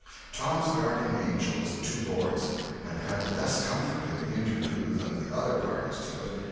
Tom's guardian angels, the two lords, had had less comfort in the interview than the other parties to it.